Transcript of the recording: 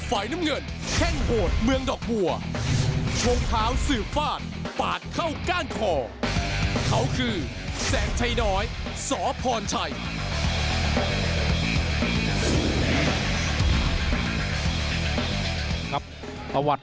ฝ่ายแดงตาคุมะเเกียจซงฤทธิ์